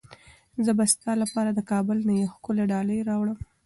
زه به ستا لپاره د کابل نه یوه ښکلې ډالۍ راوړم.